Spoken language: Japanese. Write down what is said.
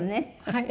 はい。